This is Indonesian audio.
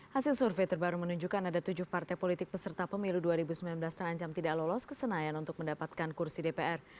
hasil survei terbaru menunjukkan ada tujuh partai politik peserta pemilu dua ribu sembilan belas terancam tidak lolos ke senayan untuk mendapatkan kursi dpr